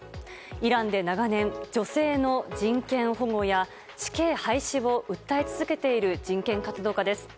イランで長年、女性の人権保護や死刑廃止を訴え続けている人権活動家です。